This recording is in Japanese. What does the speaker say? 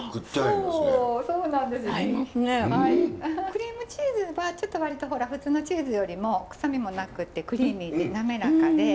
クリームチーズは割と普通のチーズよりも臭みもなくてクリーミーで滑らかで。